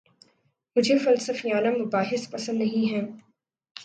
مجھے فلسفیانہ مباحث پسند نہیں ہیں